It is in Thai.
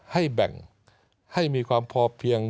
ให้แบ่งให้มีความพอเพียง